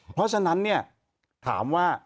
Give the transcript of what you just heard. เพราะฉะนั้นถามว่า